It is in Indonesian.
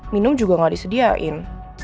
minum juga gak disediain